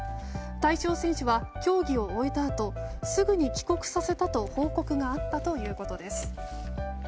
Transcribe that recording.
対象選手は競技を終えたあとすぐに帰国させたと報告があったということです。